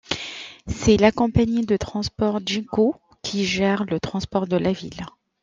C'est la compagnie de transport Ginko qui gère le transport de la ville.